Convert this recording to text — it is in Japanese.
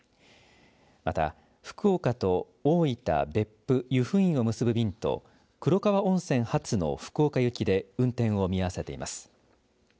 また、福岡と大分、別府湯布院を結ぶ便と黒川温泉初の福岡行きで運転を見合わせています。